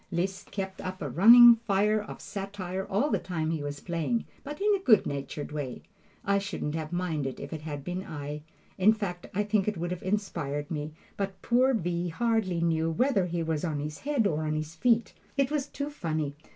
Liszt kept up a running fire of satire all the time he was playing, but in a good natured way. I shouldn't have minded it if it had been I. In fact, I think it would have inspired me; but poor V. hardly knew whether he was on his head or on his feet. It was too funny.